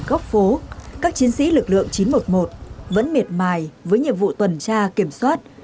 góc phố các chiến sĩ lực lượng chín trăm một mươi một vẫn miệt mài với nhiệm vụ tuần tra kiểm soát